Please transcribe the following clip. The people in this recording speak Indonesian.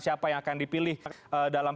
siapa yang akan dipilih dalam